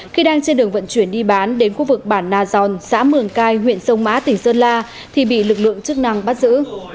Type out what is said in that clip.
khi đang trên đường vận chuyển đi bán đến khu vực bản na giòn xã mường cai huyện sông mã tỉnh sơn la thì bị lực lượng chức năng bắt giữ